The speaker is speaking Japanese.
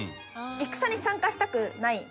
戦に参加したくない。